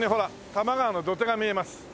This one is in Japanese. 多摩川の土手が見えます。